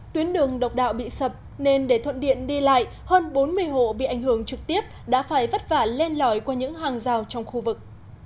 tuyến đường độc đạo bị sập nên để thuận điện đi lại hơn bốn mươi hộ bị ảnh hưởng trực tiếp đã phải vất vả lên lòi qua những hàng rào trong khu vực